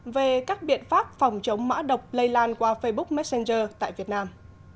về các biện pháp phòng chống mã độc lây lan qua facebook messenger tại việt nam